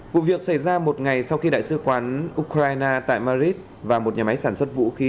vụ việc xảy ra một ngày sau khi đại sứ quán ukraine tại madrid và một nhà máy sản xuất vũ khí